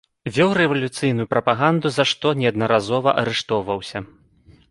Вёў рэвалюцыйную прапаганду, за што неаднаразова арыштоўваўся.